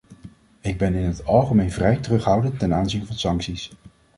Ik ben in het algemeen vrij terughoudend ten aanzien van sancties.